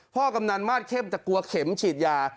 พ่อกำนันมาดเข้มแต่กลัวเข็มฉีดยา